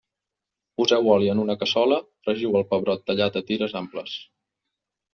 Poseu oli en una cassola, fregiu el pebrot tallat a tires amples.